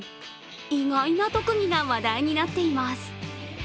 意外な特技が話題になっています。